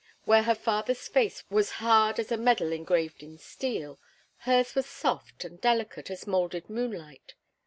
Where her father's face was hard as a medal engraved in steel, hers was soft and delicate as moulded moonlight.